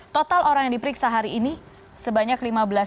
total orang yang diperiksa hari ini sebanyak lima belas